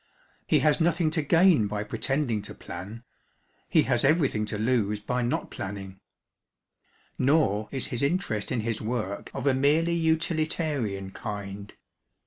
He has nothing to gain by pretending to plan : he has everything to lose by not planning. Nor is his interest in his work of a merely utilitarian kind.